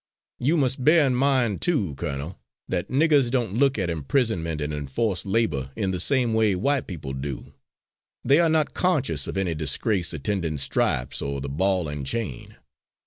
"You must bear in mind, too, colonel, that niggers don't look at imprisonment and enforced labour in the same way white people do they are not conscious of any disgrace attending stripes or the ball and chain.